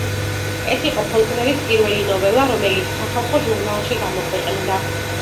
ეს იყო ფოლკნერის პირველი ნოველა, რომელიც სახალხო ჟურნალში გამოქვეყნდა.